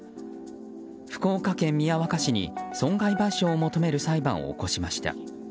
福岡県宮若市に損害賠償を求める裁判を起こしました。